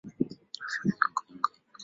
kwa kukataa kata kata kununua sukari ya Cuba